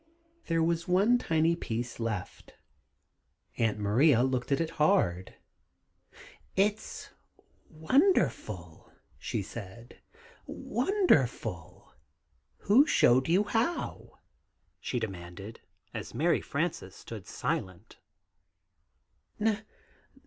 There was one tiny piece left. Aunt Maria looked at it hard. "It's wonderful," she said, "wonderful; who showed you how?" "Who showed you how?" she demanded, as Mary Frances stood silent.